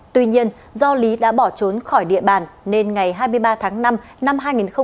tuy nhiên do lý đã bỏ trốn khỏi địa bàn nên ngày hai mươi ba tháng năm năm hai nghìn hai mươi ba